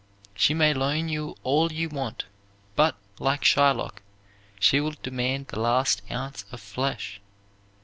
She may loan you all you want; but, like Shylock, she will demand the last ounce of flesh.